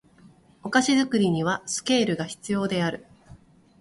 お菓子作りにはスケールが必要である